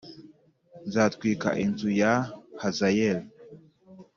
nzatwika inzu ya Hazayeli